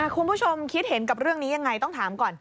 คุณผู้ชมคิดเห็นกับเรื่องนี้ยังไงต้องถามก่อน